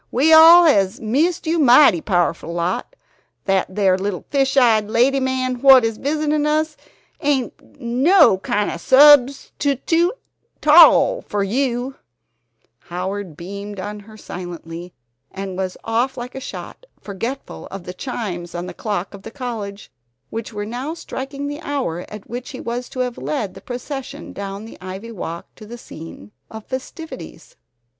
We all hes missed you mighty powerful lot. That there little fish eyed lady man wot is visitin' us ain't no kind of substoote 'tall fer you " Howard beamed on her silently and was off like a shot, forgetful of the chimes on the clock of the college, which were now striking the hour at which he was to have led the procession down the ivy walk to the scene of festivities.